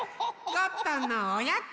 ゴットンのおやつ